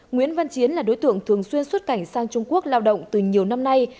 nguyễn văn chiến là đối tượng thường xuyên xuất cảnh sang trung quốc lao động từ nhiều năm nay